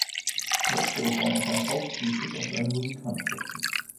Letztere Form erscheint ausschließlich auf seinen Musikhandschriften.